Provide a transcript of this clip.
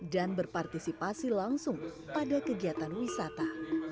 dan berpartisipasi langsung pada kegiatan wisata